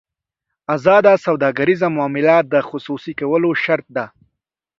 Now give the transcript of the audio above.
ازاده سوداګریزه معامله د خصوصي کولو شرط ده.